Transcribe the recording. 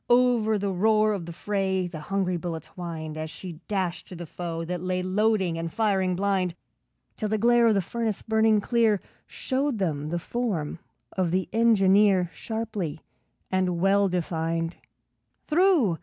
Over the roar of the fray The hungry bullets whined, As she dashed through the foe that lay Loading and firing blind, Till the glare of the furnace burning clear Showed them the form of the engineer, Sharply and well defined. Through!